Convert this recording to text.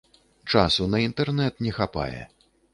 Часу на інтэрнэт не хапае.